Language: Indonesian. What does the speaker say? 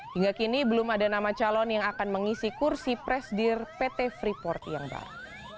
hingga kini belum ada nama calon yang akan mengisi kursi presidir pt freeport yang baru